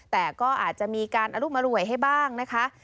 แต่ก็อาจจะมีการอรุมอร่วยให้บ้างนะคะ